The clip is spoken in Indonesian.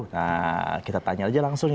nah kita tanya aja langsung ya